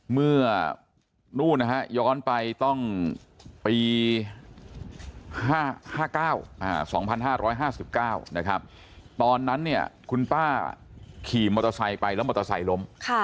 เมื่อนู่นนะฮะย้อนไปต้องปี๕๙๒๕๕๙นะครับตอนนั้นเนี่ยคุณป้าขี่มอเตอร์ไซค์ไปแล้วมอเตอร์ไซค์ล้ม